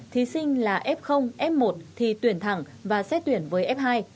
thí sinh là f f một thi tuyển thẳng và xét tuyển với f hai